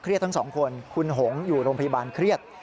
เครียดทั้ง๒คนคุณหงอยู่โรงพยาบาลเครียด